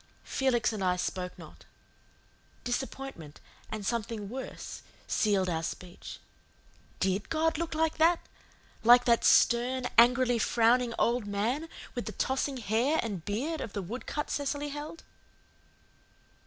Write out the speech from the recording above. Felix and I spoke not. Disappointment, and something worse, sealed our speech. DID God look like that like that stern, angrily frowning old man with the tossing hair and beard of the wood cut Cecily held.